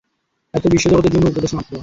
এতো বিশ্ব জগতের জন্য উপদেশ মাত্র।